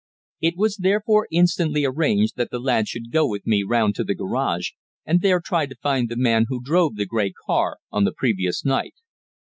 It was therefore instantly arranged that the lad should go with me round to the garage, and there try to find the man who drove the grey car on the previous night.